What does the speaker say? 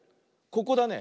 ここだね。